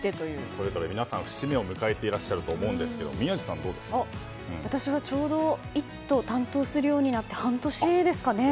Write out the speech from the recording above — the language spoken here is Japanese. それぞれ皆さん節目を迎えていると思いますが私はちょうど「イット！」を担当するようになって半年ですかね。